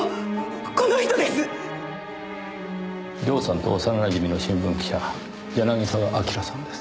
涼さんと幼なじみの新聞記者柳沢晃さんです。